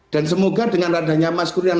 dan semoga dengan adanya mas kurniawan